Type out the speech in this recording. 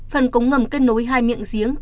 phần cống ngầm kết nối hai miệng giếng